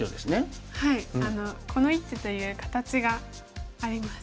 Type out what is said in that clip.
この一手という形があります。